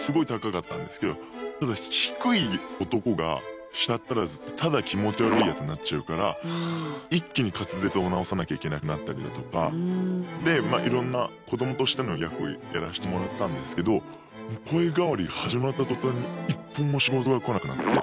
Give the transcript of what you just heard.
ただ低い男が舌っ足らずってただ気持ち悪いやつになっちゃうから一気に滑舌を直さなきゃいけなくなったりだとか。でいろんな子どもとしての役をやらしてもらったんですけどもう声変わり始まった途端に１本も仕事が来なくなって。